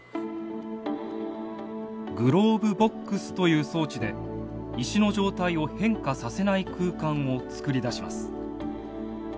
「グローブボックス」という装置で石の状態を変化させない空間をつくり出します。